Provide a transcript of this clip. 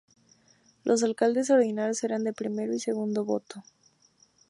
Los alcaldes ordinarios eran de primero y segundo voto.